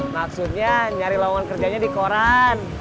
maksudnya nyari lawan kerjanya di koran